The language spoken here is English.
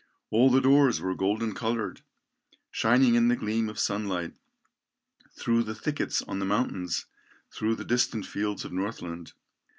All the doors were golden colored, Shining in the gleam of sunlight Through the thickets on the mountains, Through the distant fields of Northland.